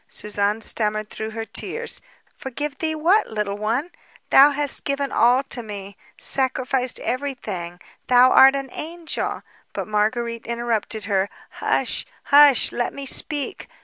Suzanne stammered through her tears: "Forgive thee what, Little One? Thou hast given all to me, sacrificed everything; thou art an angel...." But Marguérite interrupted her: "Hush, hush! Let me speak